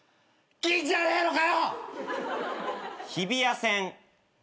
銀じゃねえのかよ！